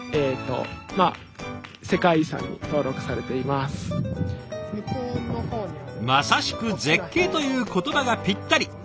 まさしく絶景という言葉がぴったり。